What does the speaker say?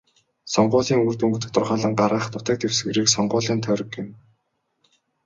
Сонгуулийн үр дүнг тодорхойлон гаргах нутаг дэвсгэрийг сонгуулийн тойрог гэнэ.